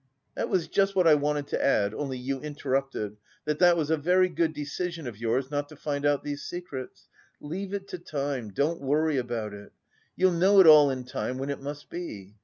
"That was just what I wanted to add, only you interrupted, that that was a very good decision of yours not to find out these secrets. Leave it to time, don't worry about it. You'll know it all in time when it must be.